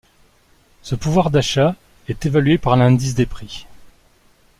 Ce pouvoir d'achat est évalué par un indice des prix.